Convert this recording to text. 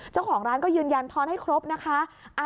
เจ้าของร้านก็ยืนยันทอนให้ครบนะคะ